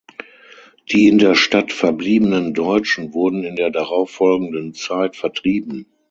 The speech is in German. Die in der Stadt verbliebenen Deutschen wurden in der darauf folgenden Zeit vertrieben.